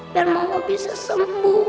biar mama bisa sembuh